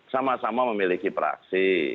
sama sama memiliki fraksi